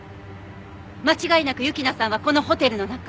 間違いなく雪菜さんはこのホテルの中。